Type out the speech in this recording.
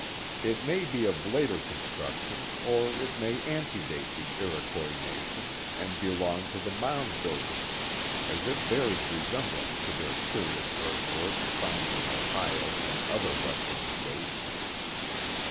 It may be of later constiuction, or it may antedate the Iroquois nation, and be long to the mound builders, as it bears resemblance to their curious earthworks, found in Ohio and other Western States.